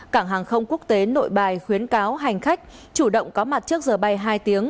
cảng hàng không quốc tế nội bài khuyến cáo hành khách chủ động có mặt trước giờ bay hai tiếng